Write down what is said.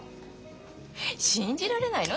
信じられないの？